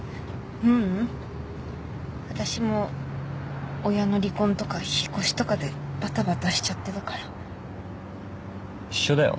ううん私も親の離婚とか引っ越しとかでバタバタしちゃってたから一緒だよ